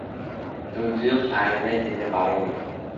যদিও ফাইনালে যেতে পারেননি।